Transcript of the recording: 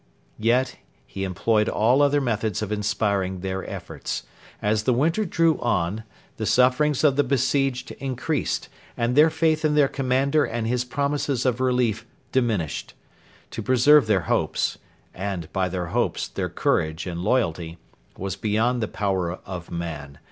Yet he employed all other methods of inspiring their efforts. As the winter drew on, the sufferings of the besieged increased and their faith in their commander and his promises of relief diminished. To preserve their hopes and, by their hopes, their courage and loyalty was beyond the power of man.